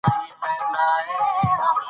نوي توري باید په الفبې کې ځای پر ځای شي.